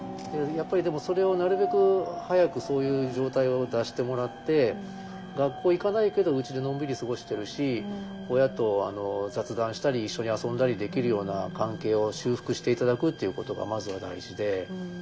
やっぱりでもそれをなるべく早くそういう状態を脱してもらって学校行かないけどうちでのんびり過ごしてるし親と雑談したり一緒に遊んだりできるような関係を修復して頂くっていうことがまずは大事で。